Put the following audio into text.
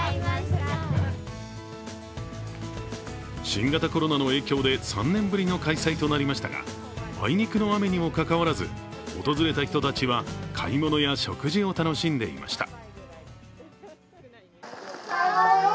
新型コロナの影響で３年ぶりの開催となりましたが、あいにくの雨にもかかわらず訪れた人たちは買い物や食事を楽しんでいました。